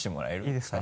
いいですか？